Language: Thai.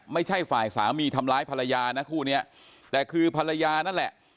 ไม่ใช่ฝ่ายสามีทำร้ายภรรยานะคู่เนี้ยแต่คือภรรยานั่นแหละ